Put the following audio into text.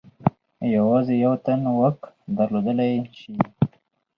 یوازې یو تن واک درلودلای شي.